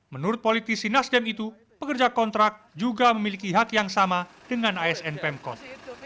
menurut politisi nasdem itu pekerja kontrak juga memiliki hak yang sama dengan asn pemkot